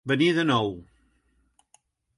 Venir de nou.